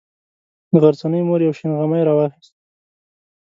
د غرڅنۍ مور یو شین غمی راواخیست.